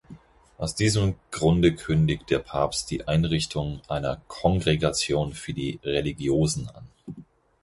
Aus diesem Grunde kündigt der Papst die Einrichtung einer Kongregation für die Religiosen an.